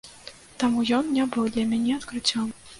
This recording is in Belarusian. Таму ён не быў для мяне адкрыццём.